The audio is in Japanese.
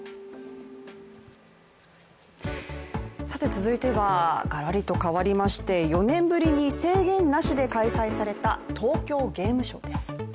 続いてはがらりと変わりまして４年ぶりに制限なしで開催された東京ゲームショウです。